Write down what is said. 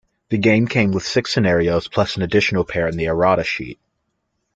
The game came with six scenarios, plus an additional pair in the errata sheet.